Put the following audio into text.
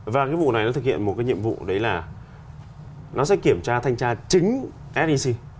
và cái vụ này nó thực hiện một cái nhiệm vụ đấy là nó sẽ kiểm tra thanh tra chính sec